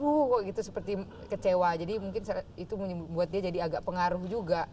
dan juga waktu itu seperti kecewa jadi mungkin itu buat dia jadi agak pengaruh juga